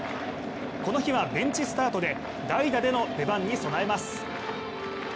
この日はベンチスタートで代打での出番に備えます。